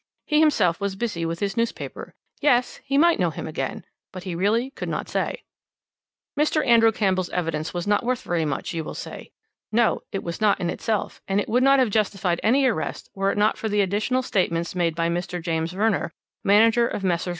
He himself was busy with his newspaper yes he might know him again but he really could not say. "Mr. Andrew Campbell's evidence was not worth very much, you will say. No, it was not in itself, and would not have justified any arrest were it not for the additional statements made by Mr. James Verner, manager of Messrs.